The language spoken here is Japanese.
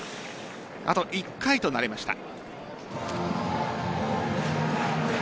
あと１回となりました。